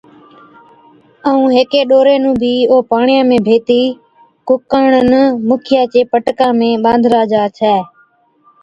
ائُون ھيڪي ڏوري نُون ڀِي او پاڻِيئا ۾ ڀيتِي ڪُڪاڻن مُکِيان چي پٽڪان ۾ ٻانڌلا جا ڇَي